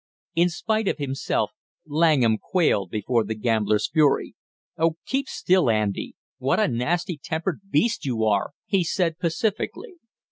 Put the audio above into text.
In spite of himself Langham quailed before the gambler's fury. "Oh, keep still, Andy! What a nasty tempered beast you are!" he said pacifically.